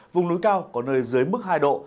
vùng núi cao có nơi dưới mức hai độ